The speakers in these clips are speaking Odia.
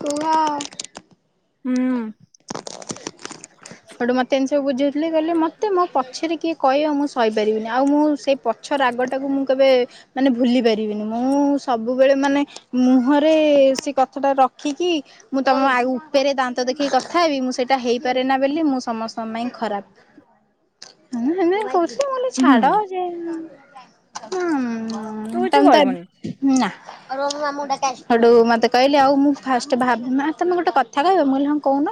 କୁହ। ହୁଁ। ହେଟୁ ମତେ ଏମିତି ସବୁ ବୁଝେଇଥିଲେ କହିଲେ ମତେ ମୋ ପଛରେ କିଏ କହିବ ମୁଁ ସହିପାରିବିନି ଆଉ ମୁଁ ସେଇ ପଛ ରାଗ ଟାକୁ ମୁଁ କେବେ ମାନେ ଭୁଲି ପାରିବିନି ମୁଁ ସବୁବେଳେ ମାନେ ମୁହଁରେ ବେଶି କଥା ଟା ରଖିକି ମୁଁ ତମ ଆ ଉପରେ ଦାନ୍ତ ଦେଖିକି କଥା ହେବି ମୁଁ ସେଇଟା ହେଇପାରେ ନା। ବୋଲି ମୁଁ ସମସ୍ତଙ୍କ ପାଇଁ ଖରାପ। ହୁଁ ହେମିତି କହୁଛି ବୋଲି ହୁଁ ଛାଡ ଯାଇ ହୁଁ। ତୁ ହଁ କିଛି ତମ ତ ଏବେ କହିବୁନି ନା। ହେଠୁ ମୋତେ କହିଲେ ଆଉ ମୁଁ ଫାଷ୍ଟ ଭାବି ତମେ ଗୋଟେ କଥା କହିବ ମୁଁ କହିଲି ହଁ କହୁନ।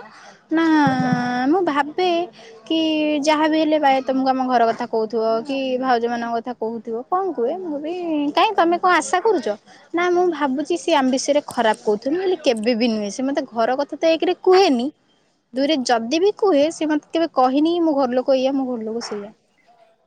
ନା। ନା ମୁଁ ଭାବେ କି ଯାହାବି ହେଲେ ବାଏ ତମକୁ ଆମ ଘର କଥା କହୁଥିବ କି ଭାଉଜ ମାନଙ୍କ କଥା କହୁଥିବ କଣ କୁହେ ମୁଁ ବି କାଇଁ ତମେ କଣ ଆଶା କରୁଛ ନା ମୁଁ ଭାବୁ ସିଏ ଆମ ବିଷୟରେ ଖରାପ କହୁଥିବ କ କେବେ ବି ନୁହେଁ ସେ ମତେ ଘର କଥା ଏକରେ ତ କୁହେନି। ଦୁଇରେ ଯଦି ବି କୁହେ ସେ ମତେ କେବେ କହିନି ମୋ ଘରଲୋକ ଏଇଆ ମୋ ଘର ଲୋକ ସେଇଆ। ହ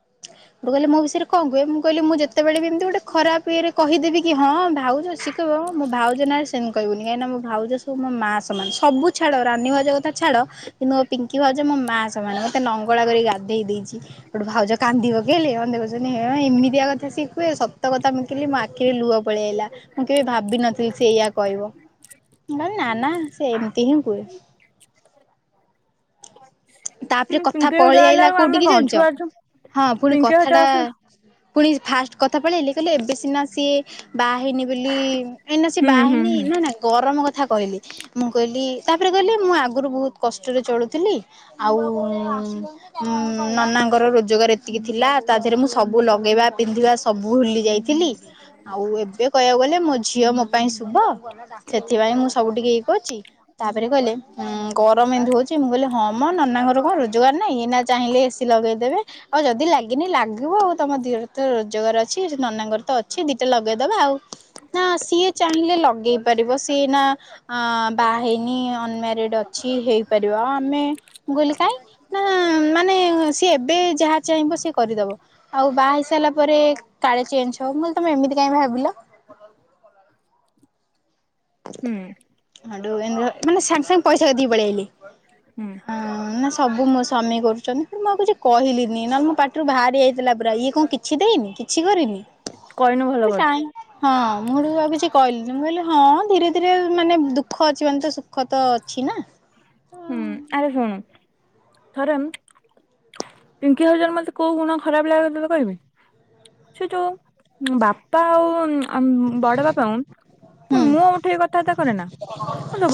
ଟୁଟୁ କହିଲ ମୋ ବିଷୟରେ କଣ କୁହେ ମୁଁ କହିଲି ମୁଁ ଯେତବେଳେ ବି ଏମିତି ଗୋଟ ଖରାଓ ଇଏରେ କହିଦେବି କି ଭାଉଜ ସିଏ କହିବ ମୋ ଭାଉଜ ନାଁରେ ସେମିତି କହିବୁନି କାହିଁକି ମୋ ଭାଉଜ ସବୁ ମୋ ମା ସମାନ ସବୁ ଛାଡ ରାନିବ ଭାଉଜ କଥା ଛାଡ଼ କିନ୍ତୁ ମୋ ପିଙ୍କି ଭାଉଜ ମୋ ମା ସମାନ ମତେ ନଙ୍ଗଳା କରି ଗାଧେଇ ଦେଇଚି ସେଇଠୁ ଭାଉଜ କାନ୍ଦିପକେଇଲେ। କହୁଛନ୍ତି ହେଇ ଏମିତିଆ କଥା ସିଏ କୁହେ ସତ କଥା ମୁଁ କିହିଲି ମୋ ଆଖିରେ ଲୁହ ପଳେଇଆଇଲା ମୁଁ କେବେ ଭାବିିନଥିଲି ଠିକ୍ ସେଇଆ କହିବ ନା ନା ସେମତି ହିଁ କୁହେ। ତାପରେ ହୁଁ କଥା ପିଙ୍କି ଭାଉଜ ପଳେଇ ଆଇଲା ବେଳକୁ ଆମେ କୋଉଠିକି କଣ ଜାଣିଛ, ଛୁଆ ଅଛୁ। ହଁ ପୁଣି ପିଙ୍କି ଭାଉଜ କଥା ଟା ଆସିଲେ ପୁଣି ଫାଷ୍ଟ କଥା ପଳେଇଲି କହିଲେ ଏବେ ସିନା ସିଏ ବାହା ହେଇନି ବୋଲି ଏଇନା ସେ ହୁଁ ବା ହୁଁ ହେଇନି ହୁଁ ନା ନା ଗରମ କ କଥା କହିଲି ମୁଁ କହିଲି ତାପରେ କହିଲି ମୁଁ ଆଗରୁ ବହୁତ କଷ୍ଟରେ ଚଳୁଥିଲି ଆଉ ଉଁ ଉଁ ନନାଙ୍କର ରୋଜଗାର ଏତିକି ଥିଲା ତା ଦେହରେ ମୁଁ ସବୁ ଲଗେଇ ଖାଇବା ପିନ୍ଧିବା ସବୁ ଭୁଲି ଯାଇଥିଲି ଆଉ ଏବେ କହିବାକୁ ଗଲେ ମୋ ଝିଅ ମୋ ପାଇଁ ଶୁଭ। ସେଥିପାଇଁ ମୁଁ ସବୁ ଟିକେ ଇ କରୁଛି ତାପରେ କହିଲେ ଉଁ ଗରମ ଏମତି ହଉଛି ମୁଁ କହିଲି ହଁ ତମ ନନା ଘର କଣ ରୋଜଗାର ନାହିଁ ଏଇନା ଚାହିଁଲେ ଏ ସି ଲଗେଇଦେବେ ଆଉ ଯଦି ଲାଗିନି ଲାଗିବ ଆଉ ତମ ଦି ଦିର ତ ରୋଜଗାର ଅଛି ନନାଙ୍କର ତ ଅଛି ଦିଟା ଲଗେଇଦବା ଆଉ। ନା ସିଏ ଚାହିଁଲେ ଲଗେଇ ପାରିବ ସିଏ ଏଇନା ଆଁ ବାହା ହେଇନି ଅନମାରେଡ ଅଛି କି ହେଇପାରିବ ଆଉ ଆମେ ମୁଁ କହିଲି କାଇଁ ନା ମାନେ ସିଏ ଏବେ ଯାହା ଚାହିଁବ ସିଏ କରିଦବ ଆଉ ବାହା ହେଇ ସା ଇଲା ପରେ କାଳେ ଚେଞ୍ଜ ହବ ମୁଁ କହିଲି ତମେ ଏମିତି କାଇଁ ଭାବିଲ। [inaudible] ହୁଁ। ମାଣ୍ଡୁଅ ବ ମାନେ ସାଙ୍ଗେ ସାଙ୍ଗେ ପଇସା କତିକି ପଳେଇ ଆଇଲେ। ହୁଁ ହଁ ନା ସବୁ ମୋ ସ୍ୱାମୀ କରୁଛନ୍ତି ମୁଁ ଆଉ କିଛି କହିଲିନି ନହେଲେ ମୋ ପାଟିରୁ ବାହାରି ଯଇଥିଲା ବେ ଇଏ କଣ କିଛି ଦେଇନି କିଛି କରିନି? କହିନୁ ଭଲ କରିଛୁ। କାଇଁ ହଁ ମୁଁ ସେଇଠୁ ଆଉ କିଛି କହିଲିନି ମୁଁ କହିଲି ହଁ ଧୀରେ ଧୀରେ ମାନେ ଦୁଃଖ ଅଛି ମାନେ ତ ସୁଖ ତ ଅଛି ନା ଅ ହୁଁ ଆରେ ଶୁଣୁ ଥରେ ପିଙ୍କି ହଜବେଣ୍ଡ ମତେ କୋଉ ଗୁଣ ଖରାପ ଲାଗେ ତତେ କହିବି। ସେ ଯୋଉ ବାପା ଆଉ ଉଁ ବଡ ବାପାଙ୍କୁ ହୁଁ ମୁହଁ ଉଠେଇ କଥାବାର୍ତ୍ତା କରେନା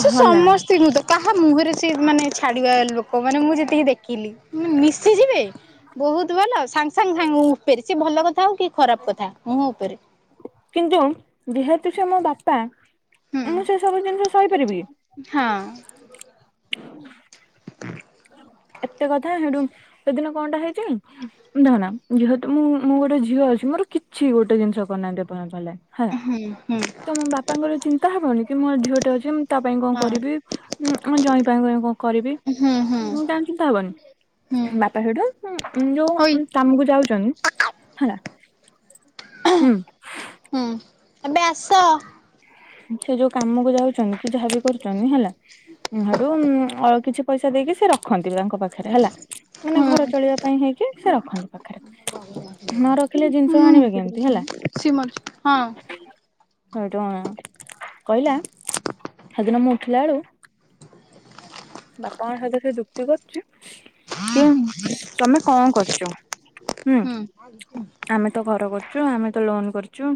ସେ ସମସ୍ତିଙ୍କୁ ତ କାହା ମୁହଁରେ ସେ ମାନେ ଛାଡିବା ଲୋକ ମାନେ ମୁଁ ଯେତିକି ଦେଖିଲି ଉଁ ମିଶିଯିବେ ବହୁତ ଭଲ ସାଙ୍ଗେ ସାଙ୍ଗେ ସାଙ୍ଗ ମୁଁ ବେଶି ଭଲ କଥା ହଉ କି ଖରାପ କଥା ମୁହଁ ଉପରେ। କିନ୍ତୁ ଯେହେତୁ ସେ ମୋ ବାପା ହୁଁ ମୁଁ ସେ ସବୁ ଜିନିଷ ସହିପାରିବି? ହଁ। [unintelligible] ଏତେ କଥା ସେଇଠୁ ସେଦିନ କଣଟା ହେଇଛି ନା ନା ଯେହେତୁ ମୁଁ ମୁଁ ଗୋଟେ ଝିଅ ଅଛି ଆମର କିଛି ଗୋଟେ ଜିନିଷ କରିନାହାନ୍ତି ଏପର୍ଯ୍ୟନ୍ତ ହେଲେ। ହଁ ହୁଁ ହୁଁ ତ ମୋ ବାପାଙ୍କର ଚିନ୍ତା ହବନି କି ମୋ ଝିଅ ଟେ ଅଛି ତା ପାଇଁ କଣ ହଁ କରିବି ଉଁ ଆମ ଜ୍ୱାଇଁ ପାଇଁ ଗୋଟେ କଣ କରିବି ହୁଁ ହୁଁ ତାଙ୍କ ଚିନ୍ତା ହୁଁ ହବନି। ବାପା ସେଇଠୁ ଉଁ ଯୋଉ ହୋଇ ଉଁ କାମକୁ ଯାଉଛନ୍ତି ହେଲା ହୁଁ ହୁଁ ଏବେ ଆସ ସେ ଯୋଉ କାମକୁ ଯାଉଛନ୍ତି କି ଯାହାବି କରୁଛନ୍ତି ହେଲା ସେଠୁ ଆଉ କିଛି ପଇସା ଦେଇକି ସେ ରଖନ୍ତି ତାଙ୍କ ପାଖରେ ହେଲା ମାନେ ହୁଁ ଘର ଚଳିବା ପାଇଁ ହେଇକି ସେ ରଖନ୍ତି ପାଖରେ ନ ରଖିଲେ ଜିନିଷ ଆଣିବେ କେମିତି ହେଲା। ହୁଁ ହଁ ସେଇଠୁ କହିଲା ସେଦିନ ମୁଁ ଉଠିଲା ବେଳୁ ବାପା ଙ୍କ ସହିତ ସେ ଯୁକ୍ତି କରୁଛି କି ତମେ କଣ କରୁଛ ଚ ହୁଁ। ଆମେ ତ ଘର କରୁଚୁ ଆମେ ତ ଲୋନ କରୁଚୁ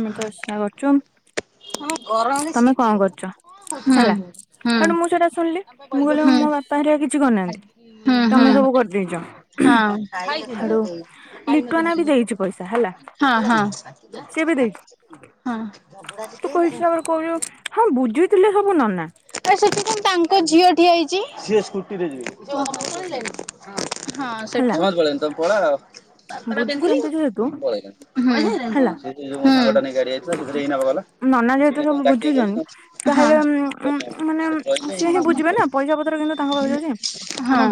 ଆମେ ତ ଏସା କରୁଚୁ। ଆମ କରୁଛ ଗରମରେ ହେଲା ସିଜିଗଲୁଣି ସେଠୁ ମୁଁ ସେଇଟା ଶୁଣିଲି ହୁଁ ମୁଁ କହିଲି ମୋ ବାପା ହେରିକା ହୁଁ। କିଛି କରିନାହାନ୍ତି ହୁଁ ତମେ ସବୁ ହୁଁ କରିଦେଇଛ ହୁଁ ସେଠୁ ହଁ। ଲିଟୁଆନା ବି ହଁ ଦେଇଛି ପଇସା ହେଲା ହଁ ହଁ। ସିଏ ବି ଦେଇଛି ଝଗଡ଼ା ଯେମିତି ତୁ ହଁ ବୁଝୁଥିଲେ ସବୁ ନନା। ଆ ସେଠି କଣ ତାଙ୍କ ଝିଅ ଠିଆ ହେଇଛି। ସମସ୍ତେ ପଳେଇନି ହେଲା ତମ ପଳାଅ। ବୁଝୁଛନ୍ତି ଯେହେତୁ ଳଣିଁା ହେଲା ଯାଇଥିଲା ସେଥିରେ ଏଇ ନବା ଗଲା ନାନା ମୁଁ ଯେହେତୁ ସେଇଟା ତମକୁ ସବୁ ଡାକିବାକୁ ଗଲି ତମେ ବୁଝୁଛନ୍ତି ତାହେଲେ ହଁ ମାନେ ସେଠି ସିଏ ହିଁ ବୁଝିବେ ରହିକି ନା ପଇସା ପତ୍ର କିନ୍ତୁ ତାଙ୍କ ପାଖକୁ ଯାଉଛି ନା। ହଁ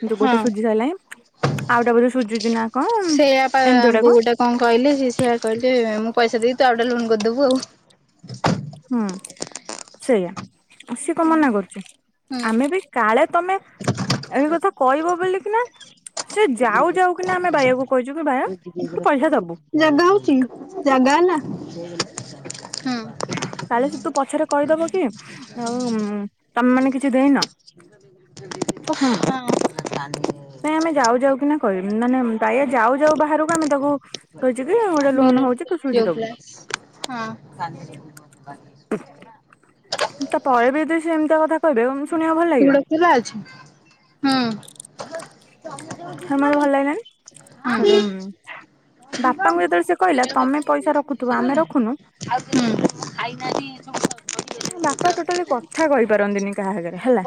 କିନ୍ତୁ ଗୋଟେ ହଁ। ସୁଝି ସାରିଲାଣି ଆଉଟା ବୋଧେ ସୁଝୁଛି ନା କଣ ସେଇଆ ପା ବୋଉ ଗୋଟେ କଣ କହିଲେ ସେ ସେଆ କହିଲେ ମୁଁ ପଇସା ଦେଇି ଆଉ ଗୋଟେ ଲୋନ୍ କରିଦବୁ ଆଉ। ସେ କଣ ମନା କରୁଛୁ ହୁଁ ଆମେ ବି କାଳେ ତମେ ଏବେ କଥା କହିବ ବୋଲି କିନା ସେ ଯାଉ ଯାଉ କିନା ଆମେ ରାଇକୁ ଜାଗା ହଉଛି ଜାଗା ହେଲା ହୁଁ। କାଳେ ସେ ତୋ ପଛରେ କହିଦବ। ହେଲା ଆଉ ତମେ ମାନେ କିଛି ଦେଇନ ହଁ। [inaudible] ନା କହିବିନି ମାନେ ବାୟା ଯାଉ ଯାଉ ବାହାରକୁ ଆମେ ତାକୁ ଭେ ମିରର ପଟେକ୍ ଗ୍ଲାସ ହଁ। ତାପରେ ବି ତୁ ସେ ଏମିତି କଥା କହିବେ। ଶୁଣିବାକୁ ଭଲ ଲାଗିବ ସେଗୁଡ଼ା ଖୋଲା ଅଛି ହୁଁ। ହ ମତେ ଭଲ ଲାଗିଲଣିି [unintelligible] ବାପାଙ୍କୁ ଯେତେବେଳେ ସେ କହିଲା ତମେ ପଇସା ରଖୁଥିବ ଆମେ ରଖୁନୁ ବାପା ଟୋଟାଲି କଥା କହିପାରନ୍ତିନି କାହା ଆଗରେ ହେଲା।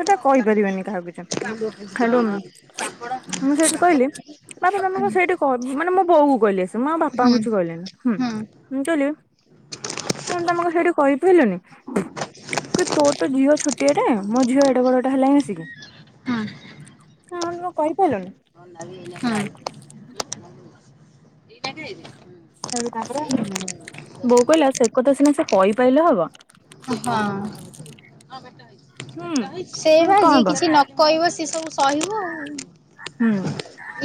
ସେ କହିପାରିବନି କାହାକୁ କିଛି। ହେଠୁ ମୁଁ ସେଇଠି କହିଲି ପଡପଡ଼ ବାପା ତମେ କ ସେଇଠି କହ ମାନେ ମୋ ବୋଉ କହିଲି ଆସି ମୁଁ ଆଉ ବାପାଙ୍କୁ କିଛି କହିଲିନି ହୁଁ ମୁଁ କହିଲି ହଁ ତମକୁ ସେଇଠି କହିପାରିଲିଲନି। ତୋ ତ ଝିଅ ଛୋଟିଆଟେ ମୋ ଝିଅ ଏଡେ ବଡଟେ ହେଲାଣି ଆସିକି ହଁ ତ କହିପାରିଲନି। ଆଚ୍ଛା। ସେ ତାପରେ ବୋଉ କହିଲା ସେ କଥା ସିନା ସେ କହିପାରିଲେ ହବ। ହଁ। ହୁଁ ସେଇ ହୁଁ ବା କଣ ଯିଏ ହବ କିଛି ନ କହିବ ସେ ସବୁ ସହିବ ଆଉ। ହୁଁ।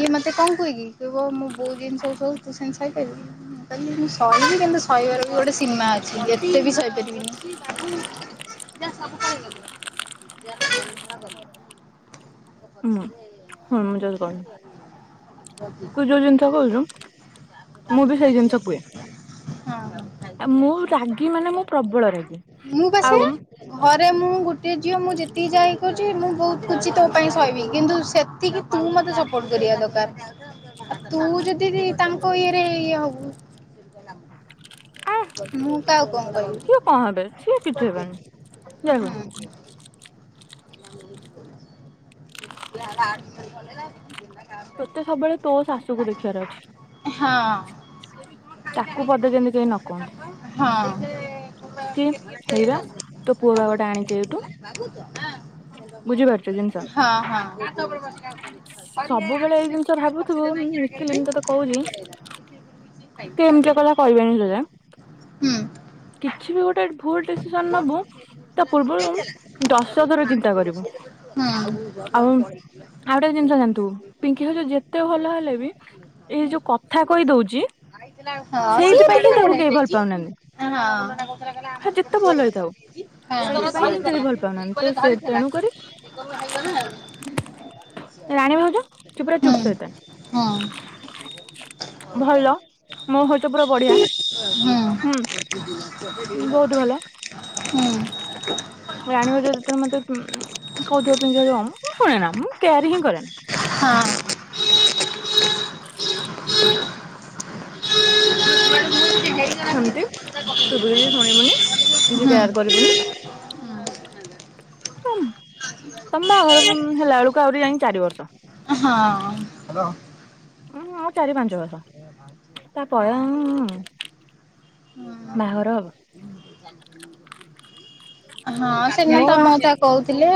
ଇଏ ମତେ କଣ କୁହେକି କହିବ ମୁଁ ବୋଉ ଯେମିତି ସବୁ ସହୁଚି ତୁ ସେମତି ସାହିପାରିବୁ। କହ ମୁଁ ଶିହିବି କିନ୍ତୁ ସହିବାର ବି ଗୋଟେ ସୀମା ଅଛି ଯେତେ ବି ଶହିପାରିବିନି। ଯ ସବ ପ ଯ କ ହୁଁ। ପଛରେ ହଁ ମୁଁ ର ଯୋଉ କହୁନି [unintelligible] ତୁ ଯୋଉ ଜିନିଷ କହୁଛୁ ମୁଁ ବି ସେଇ ଜିନିଷ ହଁ। କୁହେ। ମୁଁ ରାଗି ମାନେ ମୁଁ ପ୍ରବଳ ରାଗୀ। ମୁଁ ବା ସେଇଆ। ଘରେ ମୁ ଗେ ଝିଅ ମୁଁ ଯେତିକି ଯାହା ହେଇ କରୁଛି ମୁଁ ବହୁତ ଖୁଛି ତୋ ପାଇଁ ସହହିବି କିନ୍ତୁ ସେତିକି ତୁ ମତେ ସପୋର୍ଟ କରିବୁ। ଦ ତୁ ଯଦି ତାଙ୍କ ଇଏରେ ଇଏ ହବୁ ଆ ମୁଁ କାହାକୁ କଣ କହିବି। ସିଏ କଣ ହେବେ ସେ କିଛି ହେବେନି। ହୁଁ [inaudible] ତୋତେ ସବୁବେଳେ ତୋ ଶାଶୁକୁ ଦେଖିବାର ଅଛି। ହଁ। ତାକୁ ପଦେ କେମିତି କେହି ନ କୁହନ୍ତୁ। ହଁ। [inaudible] କି? ହେଇବା ତୋ ପୁଅ ବା ଗୋଟେ ଆଣିଚି ଏଇଟୁ। ବୁଝିପାରୁ ହଁ ହଁ। ସବୁବେଳେ କହୁଚି ସେ ଏମିତିଆ କଥା କହିବେନି ତତେ। ହୁଁ। କିଛି ବି ଗୋଟେ ଭୁଲ ଡିସିସନ ନବୁ ତା ପୂର୍ବରୁ ଦଶ ଥର ଚିନ୍ତା କରିବୁ ଆଉ ହୁଁ। ଆଉ ଗୋଟାକ ଜିନିଷ ଜାଣିଥୁବୁ ପିଙ୍କି ସହିତ ଯେତେ ଭଲ ହେଲେ ବି ଏଇ ଯୋଉ କଥା କହିଦଉଚି ହଁ ସିଏ ଟିକେ ଅଁହଁ। ପାଉନାହାନ୍ତି ସେ ଯେତେ ଭଲ ହେଇଥାଉ ସେଇଥିପାଇଁ ହିଁ କେହି ଭଲ ପାଉନାହାନ୍ତି ତ ସେ ହଁ। ହ [inaudible] ରାଣୀ ଭାଉଜ ସେ ପୁରା ହୁଁ ଚୁପ ସଇତାନ୍। ହୁଁ ଭଲ। ମୋ ହଇତ ପୁରା ବଢିଆ। ହୁଁ ବହୁତ ଭଲ। ହଁ ରାଣୀ ଭାଉଜ ଯେତେବେଳେ ମତେ ପୁମ୍ ଉଁ କହୁଥିବେ ପିନ୍ଧେଇଦିଅମ୍ ମୁଁ ଶୁଣେ ନା ମୁଁ କେୟାର ହିଁ କରେନା। ହଁ। ହ [inaudible] ହେମତି ତୁ ବି କିଛି ଶୁଣିବୁନି। କିଛି କେୟାର କରିବୁନି। [inaudible] ତମ୍ ତମ ବାହାଘର ପୁମ୍ ହେଲା ବେଳକୁ ଆହୁରି ଯାଇଁ ଚାରି ବର୍ଷ। ହଁ ଅ। ହଁ ଆଉ ଚାରି ପାଞ୍ଚ ବର୍ଷ। ତା ହଁ ପରେ ଅଂ ମ୍ ମ୍ ମ୍। ହଁ। ହଁ ସେଦିନ ବି ମୋ ତମ ବା ତା କହୁଥିଲେ।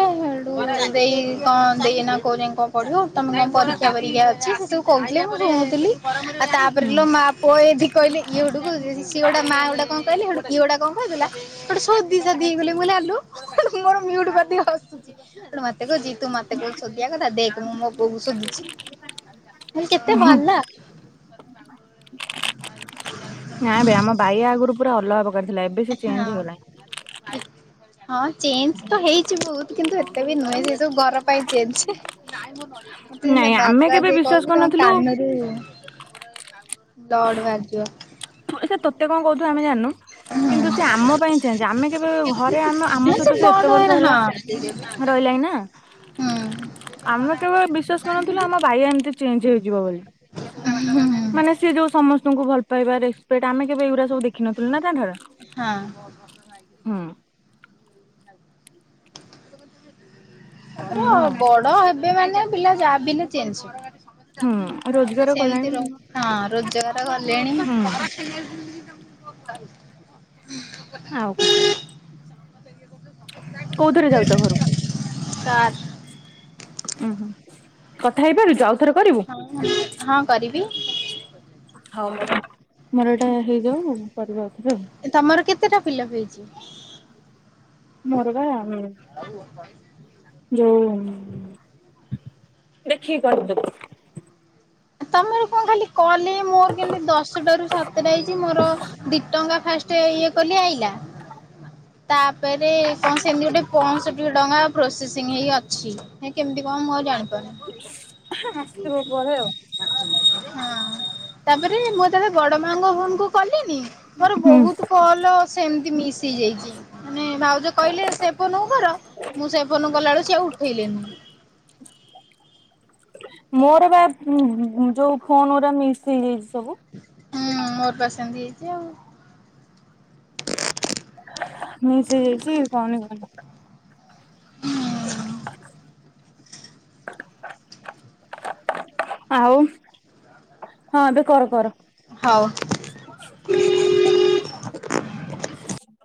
ଦେଇ କଣ ଦେଇ ନା କୋଉ ଯାଏଁ କଁ ପଢିବୁ। ତମେ କାଇଁ ପରୀକ୍ଷା ବରୀକ୍ଷା ଅଛି କିନ୍ତୁ କଉଥିଲେ ମୁଁ ଶୁଣୁଥିଲି। ଆଉ ତାପରେ ହୁଁ ଲୋ ମା ପୁଅ ଏଠି କହିଲେ ଇଏ ହୁଡୁ କୁ [unintelligible] କିଏ ଗୋଟେ ମା ଗୋଟେ କଣ କହିଲେ ସେଇଡୁ ଇଏ ଗୋଟା କଣ କହିଥିଲା ସେଇଟୁ ସୋଦି ସାଦି ହେଇଗଲେ। ମୁଁ କହିଲି ଆଲୋ ମୋର ମିଉଟ ପାଟି ହସୁଚି। ଦେଖୁଚି ତୁ ମତେ କୋଉ ଶୋଦିଆ କଥା ଦେଖ୍ ମୁଁ ମୋ ବୋଉ କୁ ଶୋଦୁଚି। ମୁଁ [unintelligible] କେତେ ଭଲା। ନା ବେ ଆମ ବାଇଆ ଆଗରୁ ପୁରା ଅଲଗା ପ ହଁ ଚେଞ୍ଜ୍ ତ ହେଇଚି ବହୁତ୍ କିନ୍ତୁ ଏତ୍ ଏବେ ବି ନୁହେଁ ସେ ସବୁ ଘର ପାଇଁ ଚେଞ୍ଜ୍ [unintelligible] ନାଇଁ ଆମେ କେବେ ବିଶ୍ଵାସ ତମ କରିନଥିଲୁ କାନରୁ ଦଡ୍ ବାଜିବ। ଏଇ ସିଏ ତତେ କଣ କହୁଥିବ ଆମେ ଜାଣିନୁ। କିନ୍ତୁ ସେ ଆମ ପାଇଁ ଚେଞ୍ଜ। ଆମେ କେବେ ଘରେ ଆମେ ଆମ ହୁଁ ସହିତ ସେ ବ୍ଲଡ ଏତେ ଏଇନା ବର୍ଷ ହେଲା ହଁ ରହିଲାଣି ନା ହୁଁ। ଆମେ କେବଳ ବିଶ୍ୱାସ କରୁନଥିଲୁ ଆମ ବାୟା ଏମିତି ଚେଞ୍ଜ ହେଇଯିବ ବୋଲି। ମାନେ ସିଏ ଯୋଉ ସମସ୍ତଙ୍କୁ ଭଲ ପାଇବା ରେସପେକ୍ଟ ଆମେ କେବେ ଏଇଗୁରା ସବୁ ଦେଖ ଖିନଥିଲୁ ନା ତା ଘର ହଁ ହୁଁ। ହୁଁ [unintelligible] ବଡ ହେବେ ମାନେ ପିଲା ଯା ବି ନା ଚେଞ୍ଜ୍। ହୁଁ ସେ ରୋଜଗାର ସେମତି କଲାଣି ରହୁ। ହଁ ରୋଜଗାର କଲେଣି? ହୁଁ ଆଉ କଣ। କୋଉଥିରେ ଯାଉଚ ଘରୁକୁ? କାର୍। ଉହୁଁ କଥା ହେଇପାରୁଚ ଆଉ ହଁ କରିବି। ହଉ ମୋର ମୋର ଏଇଟା ହେଇଯାଉ ମୁଁ କରିବି ଆଉ। ତମର କେତେଟା ଫିଲପ୍ ହେଇଛି? ମୋର ବା ହଉ। ଯଉ ଦେଖିକି କରନ୍ତୁ। ତମର କଣ ଖାଲି କଲେ ମୋର କେମିତି ଦଶଟ ରୁ ସାତଟା ହେଇଛି ମୋର ଦି ଟଙ୍କା ଫାଷ୍ଟ ଇଏ କଲି ଆଇଲା ତାପରେ କଣ ସେମିତି ଗୋଟେ ପଞ୍ଚଷଠି ଟଙ୍କା ପ୍ରୋସେସ ସିଂ ହେଇକି ଅଛି ହେଁ କେମିତି କଣ ମୁଁ ଆଉ ଜାଣି ଆସିବ ପରେ ଆଉ। ହଁ ତାପରେ ମ ତେବେଳେ ବଡ଼ମାଙ୍କ ଫୋନକୁ କଲିନି ମୋର ହୁଁ ବହୁତ କଲ୍ ସେମତି ମିସ୍ ହେଇଯାଇଛି। ମାନେ ଭାଉଜ କହିଲେ ସେ ଫୋନକୁ କର ମୁଁ ସେ ଫୋନକୁ କଲାବେଳକୁ ସ ଆଉ ଉଠେଇଲିନି। [unintelligible] ମୋର ବା ଉ ଯୋଉ ଫୋନଗୁରା ମିସ୍ ହେଇଯାଇଛି ସବୁ। ହୁଁ ମୋର ପା ସେମିତି ହେଇଛି ଆଉ। ମିସ୍ ହେଈଯାଇଛି କହନି କହନି। ହୁଁ। [inaudible] ଆଉ ହଁ ଏବେ କର କର। ହଉ। [unintelligible]